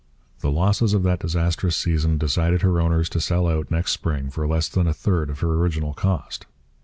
The losses of that disastrous season decided her owners to sell out next spring for less than a third of her original cost.